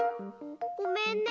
ごめんね。